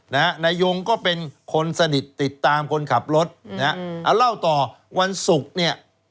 นายยงก็เป็นคนสนิทติดตามคนขับรถนะฮะเอาเล่าต่อวันศุกร์เนี่ย